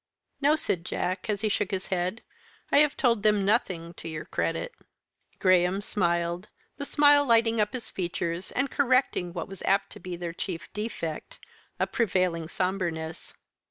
"No," said Jack, as he shook his head, "I have told them nothing to your credit." Graham smiled; the smile lighting up his features, and correcting what was apt to be their chief defect, a prevailing sombreness.